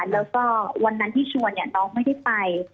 แล้วก็วันนั้นที่ชวนน้องไม่ได้ไป